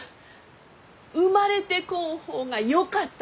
「生まれてこん方がよかった」